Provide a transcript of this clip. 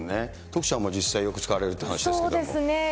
徳ちゃんも実際よく使われるという話ですけれども。